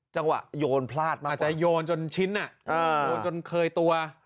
จังหวะโยนพลาดมากกว่าอาจจะโยนจนชิ้นอ่ะโยนจนเคยตัวอ่า